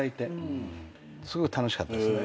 すごい楽しかったですね。